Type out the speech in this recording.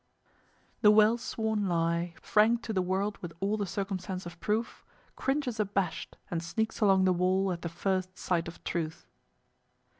"The well sworn Lie, franked to the world with all The circumstance of proof, Cringes abashed, and sneaks along the wall At the first sight of Truth."